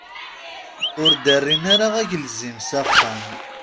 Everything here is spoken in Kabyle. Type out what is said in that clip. Ur d-rrin ara agelzim s axxam.